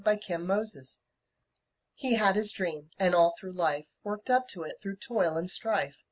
HE HAD HIS DREAM He had his dream, and all through life, Worked up to it through toil and strife.